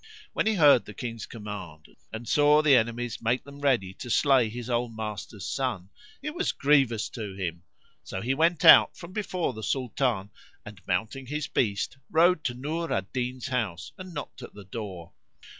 When he heard the King's command and saw the enemies make them ready to slay his old master's son, it was grievous to him: so he went out from before the Sultan and, mounting his beast, rode to Nur al Din's house and knocked at the door.